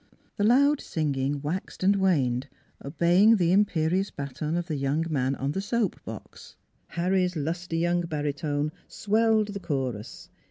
The loud singing waxed and waned, obeying the imperious baton of the young man on the soap box. Harry's lusty young baritone swelled the chorus.